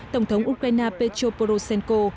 tổng thống ukraine petro poroshenko